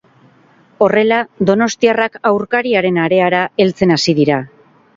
Horrela, donostiarrak aurkariaren areara heltzen hasi dira.